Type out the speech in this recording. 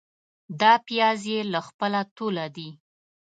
دا پیاز يې له خپله توله دي.